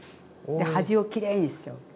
で端をきれいにしちゃう。